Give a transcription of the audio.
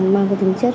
mang cái tính chất